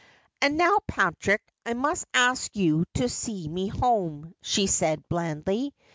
' And now, Patrick, I must ask you to see me home,' she said blandly.